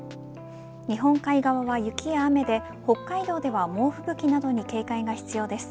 日本海側は雪や雨で北海道では猛吹雪などに警戒が必要です。